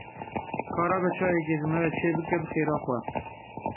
Ka rabe çayekê ji me re çêbike, bi xêra xwe.